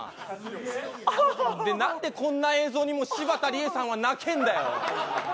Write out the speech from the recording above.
なんでこんな映像にも柴田理恵さんは泣けるんだよ。